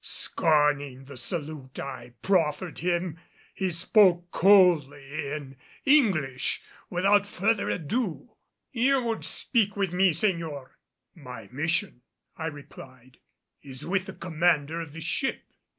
Scorning the salute I proffered him, he spoke coldly, in English, without further ado. "You would speak with me, señor?" "My mission," I replied, "is with the commander of this ship.